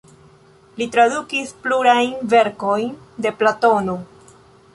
Li tradukis plurajn verkojn de Platono.